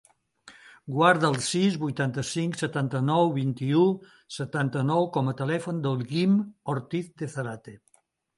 Guarda el sis, vuitanta-cinc, setanta-nou, vint-i-u, setanta-nou com a telèfon del Guim Ortiz De Zarate.